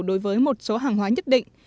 đối với một số hàng hóa nhất định